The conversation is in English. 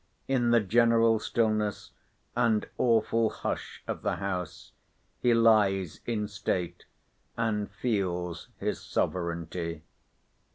In the general stillness, and awful hush of the house, he lies in state, and feels his sovereignty.